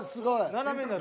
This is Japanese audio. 斜めになる。